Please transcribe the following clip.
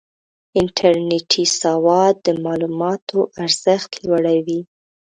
انټرنېټي سواد د معلوماتو ارزښت لوړوي.